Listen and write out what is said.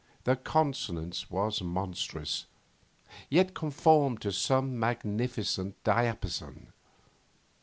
The consonance was monstrous, yet conformed to some magnificent diapason.